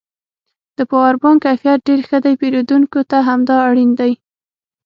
د پاور بانک کیفیت ډېر ښه دی پېرودونکو ته همدا اړین دی